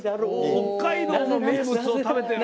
北海道の名物を食べてる。